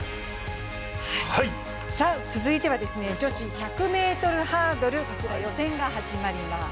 続いては女子１００ｍハードル、予選が始まります。